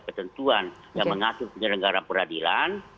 ketentuan yang mengatur penyelenggara peradilan